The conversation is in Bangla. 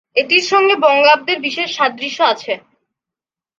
এটির সঙ্গে বঙ্গাব্দের বিশেষ সাদৃশ্য আছে।